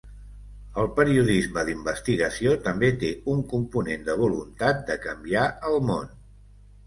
El periodisme d'investigació també té un component de voluntat de canviar el món.